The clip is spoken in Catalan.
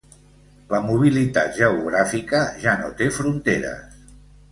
La mobilitat geogràfica ja no té fronteres.